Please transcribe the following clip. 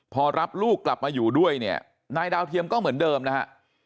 พอรับลูกกลับมาอยู่ด้วยเนี่ยนายดาวเทียมก็เหมือนเดิมนะฮะ